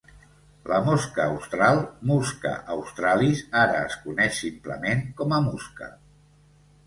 La Mosca Austral, Musca Australis, ara es coneix simplement com a Musca.